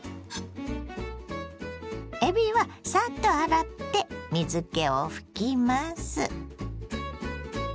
えびはサッと洗って水けを拭きます。